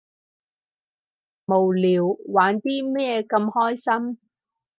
無聊，玩啲咩咁開心？